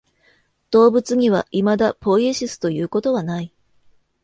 動物にはいまだポイエシスということはない。